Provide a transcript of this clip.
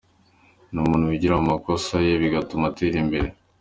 Ni umuntu wigira ku makosa ye bigatuma atera imbere.